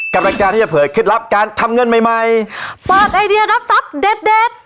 กำลังการที่จะเผยเคล็ดลับการทำเงินใหม่ใหม่เปิดไอเดียรับทรัพย์เด็ดเด็ด